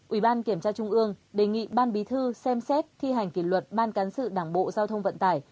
ủy ban kiểm tra trung ương đề nghị ban bí thư xem xét thi hành kỷ luật ban cán sự đảng bộ giao thông vận tải